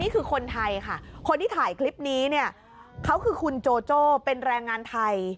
คนไทยค่ะคนที่ถ่ายคลิปนี้เนี่ยเขาคือคุณโจโจ้เป็นแรงงานไทย